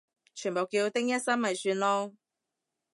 全部叫丁一心咪算囉